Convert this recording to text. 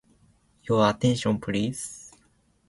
Your attention, please.